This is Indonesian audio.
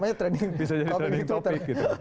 bisa jadi trending topic gitu